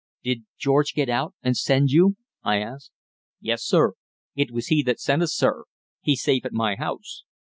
"Did George get out and send you?" I asked. "Yes, sir; it was he that sent us, sir. He's safe at my house."